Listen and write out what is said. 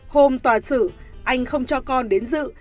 hôm tòa sử anh không cho con đến dự